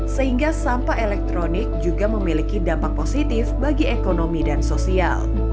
sehingga sampah elektronik juga memiliki dampak positif bagi ekonomi dan sosial